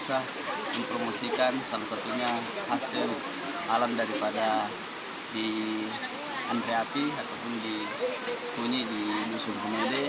usaha mempromosikan salah satunya hasil alam daripada diantre api ataupun di kunyi di musuh bumd